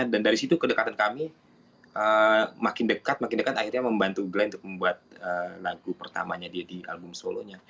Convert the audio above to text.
dan dari situ kedekatan kami makin dekat makin dekat akhirnya membantu glenn untuk membuat lagu pertamanya di album solonya